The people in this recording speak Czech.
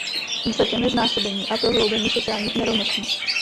Výsledkem je znásobení a prohloubení sociálních nerovností.